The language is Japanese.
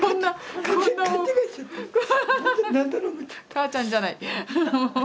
母ちゃんじゃない。